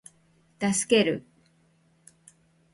助ける